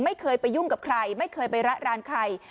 ไม่เคยไปยุ่งกับใครไม่เคยไประรานใคร